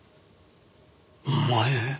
お前？